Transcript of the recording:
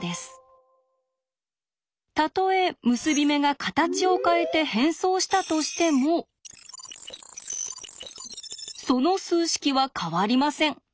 たとえ結び目が形を変えて変装したとしてもその数式は変わりません。